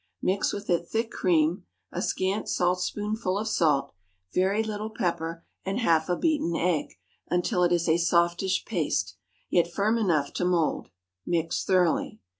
Mix with it thick cream, a scant saltspoonful of salt, very little pepper, and half a beaten egg, until it is a softish paste, yet firm enough to mould; mix thoroughly.